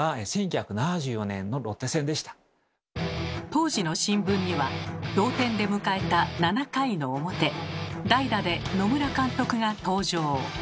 当時の新聞には同点で迎えた７回の表代打で野村監督が登場。